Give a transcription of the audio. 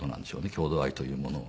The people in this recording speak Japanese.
郷土愛というものは。